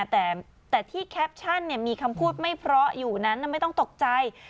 แต่ที่แคปชั่นมีคำพูดไม่เพราะอยู่นั้นไม่ต้องตกใจ